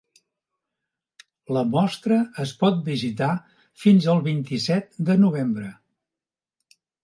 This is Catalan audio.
La mostra es pot visitar fins al vint-i-set de novembre.